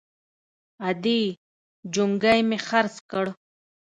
_ادې! جونګی مې خرڅ کړ!